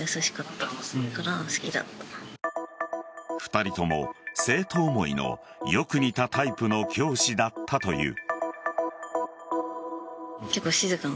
２人とも生徒思いのよく似たタイプの教師だったという。